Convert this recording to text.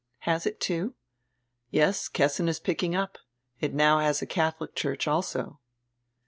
"Has it two?" "Yes, Kessin is picking up. It now has a Cadiolic church also."